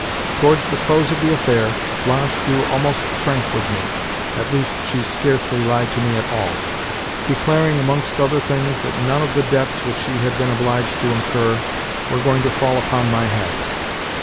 Towards the close of the affair, Blanche grew almost frank with me (at least, she scarcely lied to me at all)—declaring, amongst other things, that none of the debts which she had been obliged to incur were going to fall upon my head.